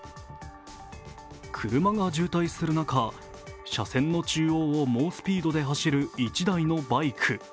車が渋滞する中、車線の中央を猛スピードで走る１台のバイク。